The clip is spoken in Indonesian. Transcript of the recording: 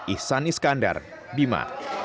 ihsan iskandar bima